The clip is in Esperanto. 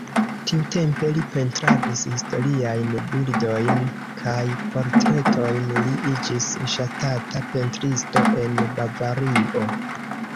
Tiutempe li pentradis historiajn bildojn kaj portretojn, li iĝis ŝatata pentristo en Bavario.